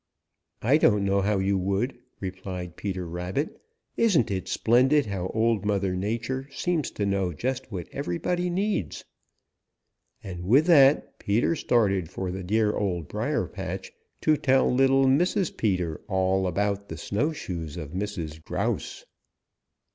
"I don't know how you would," replied Peter Rabbit. "Isn't it splendid how Old Mother Nature seems to know just what everybody needs?" And with that Peter started for the dear Old Briar patch to tell little Mrs. Peter all about the snowshoes of Mrs. Grouse.